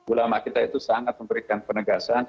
ulama kita itu sangat memberikan penegasan